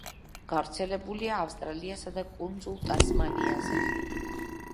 გავრცელებულია ავსტრალიასა და კუნძულ ტასმანიაზე.